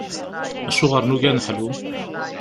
Acuɣer nugi ad neḥlu?